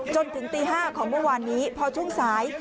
จนถึงตี๕ของเมื่อวานนี้พอช่วงสาย